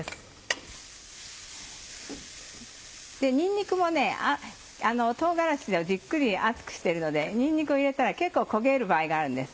にんにくも唐辛子をじっくり熱くしてるのでにんにくを入れたら結構焦げる場合があるんです。